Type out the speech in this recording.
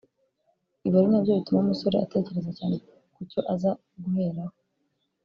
ibi ari na byo bituma umusore atekereza cyane ku cyo aza guheraho